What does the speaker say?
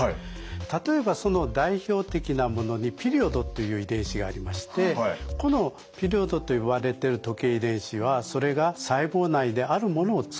例えばその代表的なものにピリオドという遺伝子がありましてこのピリオドと言われてる時計遺伝子はそれが細胞内であるものを作る。